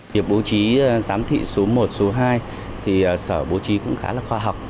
việc bố trí giám thị số một số hai thì sở bố trí cũng khá là khoa học